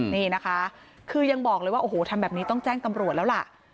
นี่นะคะคือยังบอกเลยว่าโอ้โหทำแบบนี้ต้องแจ้งตำรวจแล้วล่ะ